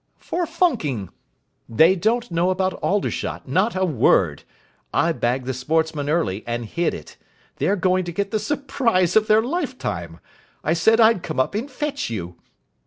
"For funking. They don't know about Aldershot, not a word. I bagged the Sportsman early, and hid it. They are going to get the surprise of their lifetime. I said I'd come up and fetch you."